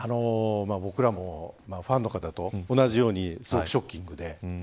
僕らもファンの方と同じようにすごくショッキングで。